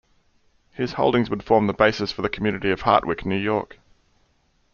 His holdings would form the basis for the community of Hartwick, New York.